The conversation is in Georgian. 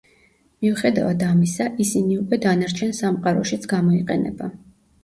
მიუხედავად ამისა, ისინი უკვე დანარჩენ სამყაროშიც გამოიყენება.